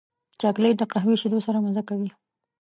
چاکلېټ د قهوې شیدو سره مزه کوي.